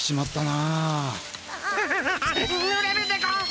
あぬれるでゴンス。